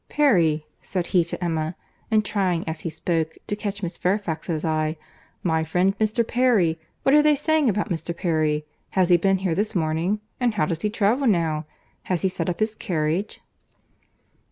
"Perry!" said he to Emma, and trying, as he spoke, to catch Miss Fairfax's eye. "My friend Mr. Perry! What are they saying about Mr. Perry?—Has he been here this morning?—And how does he travel now?—Has he set up his carriage?"